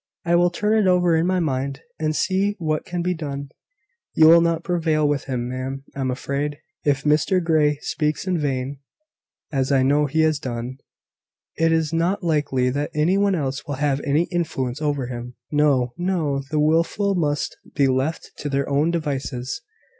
I will turn it over in my mind, and see what can be done." "You will not prevail with him, ma'am, I am afraid. If Mr Grey speaks in vain (as I know he has done), it is not likely that any one else will have any influence over him. No, no; the wilful must be left to their own devices.